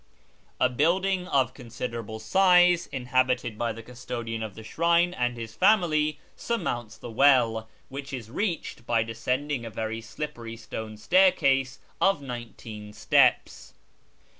A building of considerable size, inhabited by the custodian of the shrine and his family, surmounts the " well," which is reached by descend ing a very slippery stone staircase of nineteen steps.